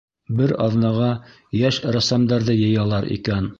Бер аҙнаға йәш рәссамдарҙы йыялар икән.